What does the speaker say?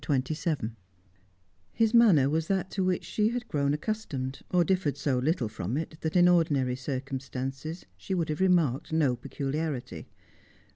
CHAPTER XXVII His manner was that to which she had grown accustomed, or differed so little from it that, in ordinary circumstances, she would have remarked no peculiarity.